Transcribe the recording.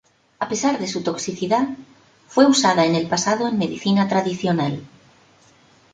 A pesar de su toxicidad fue usada en el pasado en medicina tradicional.